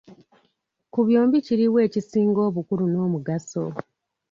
Ku byombi kiri wa ekisinga obukulu n'omugaso?